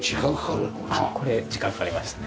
これ時間かかりましたね。